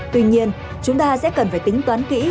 tuy nhiên chúng ta sẽ cần phải tính toán kỹ